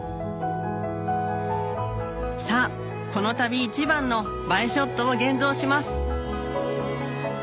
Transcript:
さぁこの旅一番の映えショットを現像します